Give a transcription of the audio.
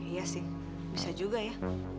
iya sih bisa juga ya